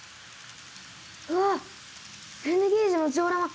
うわっＮゲージのジオラマ！